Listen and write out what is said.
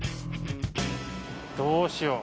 どうしよう。